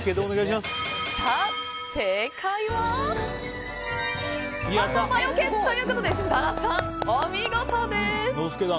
正解は３の魔除け。ということで設楽さん、お見事です！